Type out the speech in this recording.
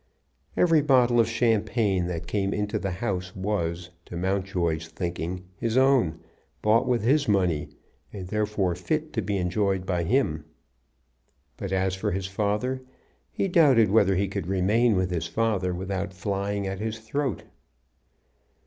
Every bottle of champagne that came into the house was, to Mountjoy's thinking, his own, bought with his money, and therefore fit to be enjoyed by him. But as for his father, he doubted whether he could remain with his father without flying at his throat.